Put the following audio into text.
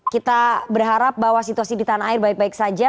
kita berharap bahwa situasi di tanah air baik baik saja